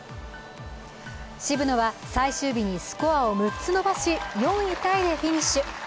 渋野は最終日にスコアを６つ伸ばし４位タイでフィニッシュ。